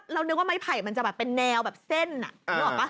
นึกว่าไม้ไผ่มันจะแบบเป็นแนวแบบเส้นนึกออกป่ะ